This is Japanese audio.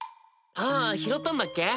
ああ拾ったんだっけ？